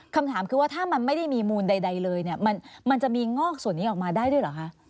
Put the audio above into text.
คำถามคือว่าถ้ามันไม่ได้มีมูลใดเลยเนี่ยมันจะมีงอกส่วนนี้ออกมาได้ด้วยเหรอคะ